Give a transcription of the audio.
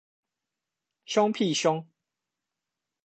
兇屁兇